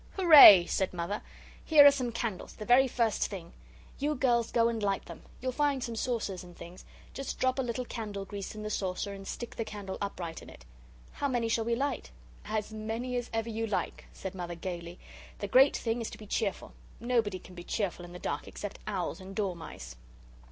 "Hooray!" said Mother; "here are some candles the very first thing! You girls go and light them. You'll find some saucers and things. Just drop a little candle grease in the saucer and stick the candle upright in it." "How many shall we light?" "As many as ever you like," said Mother, gaily. "The great thing is to be cheerful. Nobody can be cheerful in the dark except owls and dormice."